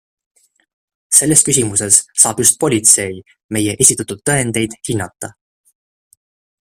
Selles küsimuses saab just politsei meie esitatud tõendeid hinnata.